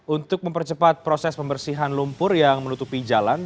untuk mempercepat proses pembersihan lumpur yang menutupi jalan